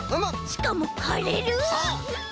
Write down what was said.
しかもはれる！